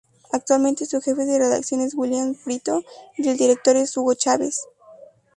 Actualmente, su Jefe de Redacción es Williams Brito, y el Director es Hugo Chávez.